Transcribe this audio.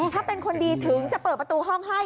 ถ้าเป็นคนดีถึงจะเปิดประตูห้องให้